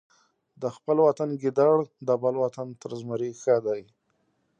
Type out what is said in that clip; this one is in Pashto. د خپل وطن ګیدړ د بل وطن تر زمري ښه دی.